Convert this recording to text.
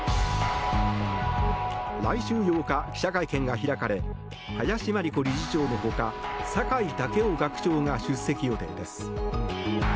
来週８日、記者会見が開かれ林真理子理事長の他酒井健夫学長が出席予定です。